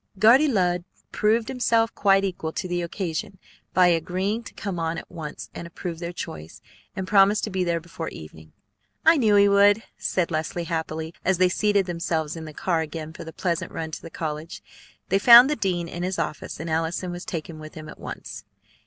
"Guardy Lud" proved himself quite equal to the occasion by agreeing to come on at once and approve their choice, and promised to be there before evening. "I knew he would," said Leslie happily, as they seated themselves in the car again for the pleasant run to the college. They found the dean in his office, and Allison was taken with him at once.